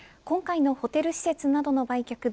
今回のホテル施設などの売却